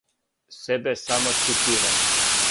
Себе само цитирам.